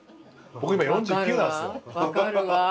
僕今４９なんですよ。